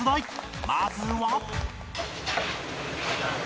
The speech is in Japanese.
まずは